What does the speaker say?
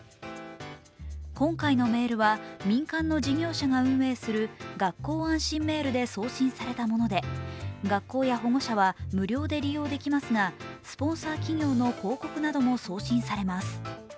今回のメールは民間の事業者が運営する学校安心メールで送信されたもので、学校や保護者は無料で利用できますが、スポンサー企業の広告なども送信されます。